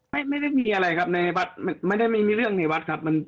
ไม่ได้มีอะไรครับในวัดไม่ได้ไม่มีเรื่องในวัดครับ